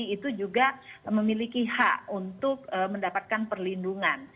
itu juga memiliki hak untuk mendapatkan perlindungan